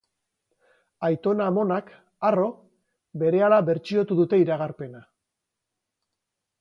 Aitona-amonak, harro, berehala bertxiotu dute iragarpena.